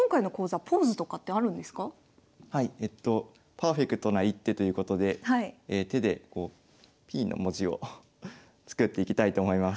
パーフェクトな一手ということで手でＰの文字を作っていきたいと思います。